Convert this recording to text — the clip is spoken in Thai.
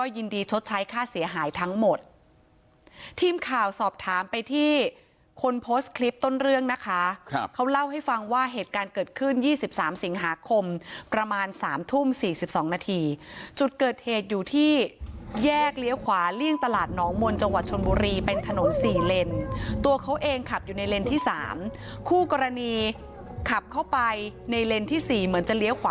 ชดใช้ค่าเสียหายทั้งหมดทีมข่าวสอบถามไปที่คนโพสต์คลิปต้นเรื่องนะคะเขาเล่าให้ฟังว่าเหตุการณ์เกิดขึ้น๒๓สิงหาคมประมาณสามทุ่ม๔๒นาทีจุดเกิดเหตุอยู่ที่แยกเลี้ยวขวาเลี่ยงตลาดน้องมนต์จังหวัดชนบุรีเป็นถนนสี่เลนตัวเขาเองขับอยู่ในเลนที่๓คู่กรณีขับเข้าไปในเลนส์ที่๔เหมือนจะเลี้ยขวา